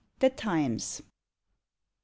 The Times.